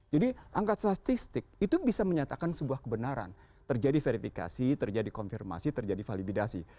jadi angka statistik itu bisa menyatakan sebuah kebenaran terjadi verifikasi terjadi konfirmasi terjadi validasi